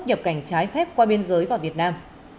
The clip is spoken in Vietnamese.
nhập cảnh trái phép qua biên giới vào việt nam